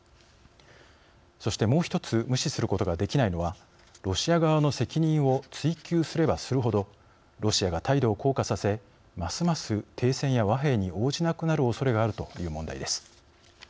そして、もう一つ無視することができないのは、ロシア側の責任を追及すればするほどロシアが態度を硬化させますます、停戦や和平に応じなくなるおそれがあるという問題です。